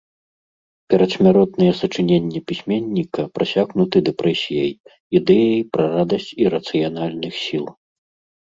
Перадсмяротныя сачыненні пісьменніка прасякнуты дэпрэсіяй, ідэяй пра радасць ірацыянальных сіл.